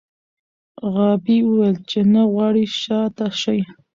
غابي وویل چې نه غواړي شا ته شي.